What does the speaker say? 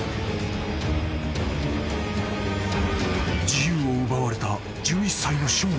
［自由を奪われた１１歳のショーン］